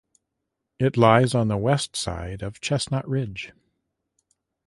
It lies on the west side of Chestnut Ridge.